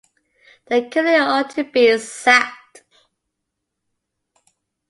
The committee ought to be sacked.